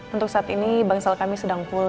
untuk saat ini bangsal kami sedang full